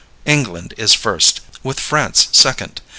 England is first, with France second.